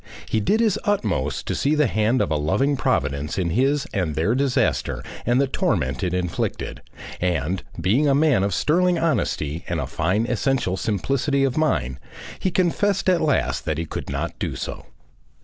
He did his utmost to see the hand of a loving Providence in his and their disaster and the torment it inflicted, and being a man of sterling honesty and a fine essential simplicity of mind, he confessed at last that he could not do so.